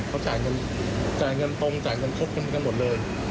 เขาจ่ายเงินตรงจ่ายเงินครบกันกันหมดเลย